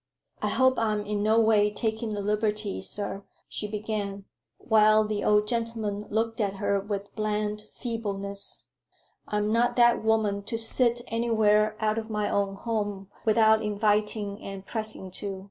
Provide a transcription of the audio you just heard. "I hope I'm in no way taking a liberty, sir," she began, while the old gentleman looked at her with bland feebleness; "I'm not that woman to sit anywhere out of my own home without inviting and pressing to.